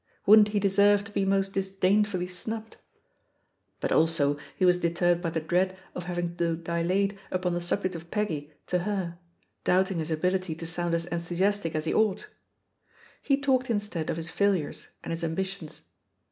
wouldn't he deserve to be most disdainfully snubbed? But also he was deterred by the dread of having to dilate upon the subject of Peggy to her, doubting his ability to soimd as enthusiastic as he ought. He talked instead of his failures and his ambitions.